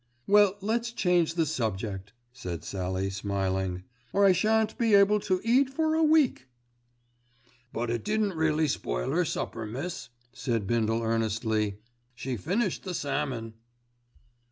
"Well, let's change the subject," said Sallie smiling, "or I shan't be able to eat for a week." "But it didn't really spoil 'er supper, miss," said Bindle earnestly. "She finished the salmon."